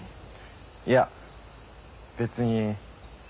いや別に。